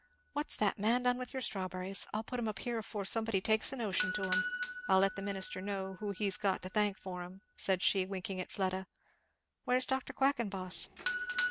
What's that man done with your strawberries? I'll put 'em up here afore somebody takes a notion to 'em. I'll let the minister know who he's got to thank for 'em," said she, winking at Fleda. "Where's Dr. Quackenboss?"